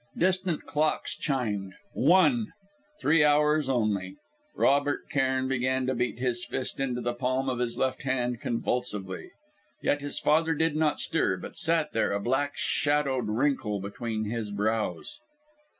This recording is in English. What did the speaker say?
Distant clocks chimed One! Three hours only! Robert Cairn began to beat his fist into the palm of his left hand convulsively. Yet his father did not stir, but sat there, a black shadowed wrinkle between his brows....